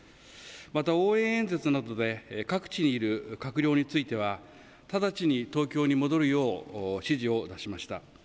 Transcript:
また応援演説などで各地にいる閣僚については直ちに東京に戻るよう指示を出しました。